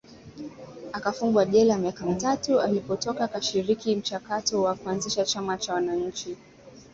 Akafungwa jela miaka mitatu alipotoka akashiriki mchakato wa kuanzisha Chama cha Wananchi